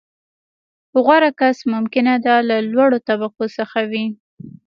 • غوره کس ممکنه ده، له لوړې طبقې څخه وي.